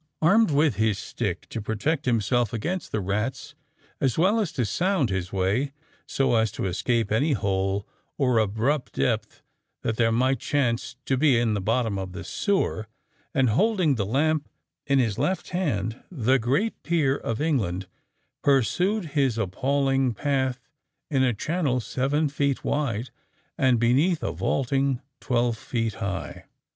Armed with his stick to protect himself against the rats as well as to sound his way so as to escape any hole or abrupt depth that there might chance to be in the bottom of the sewer,—and holding the lamp in his left hand, the great peer of England pursued his appalling path in a channel seven feet wide and beneath a vaulting twelve feet high.